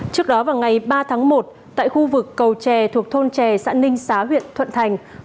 trước đó vào ngày ba tháng một tại khu vực cầu trè thuộc thôn trè xã ninh xá huyện thuận thành